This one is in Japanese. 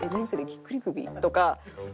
ぎっくり首？」とか。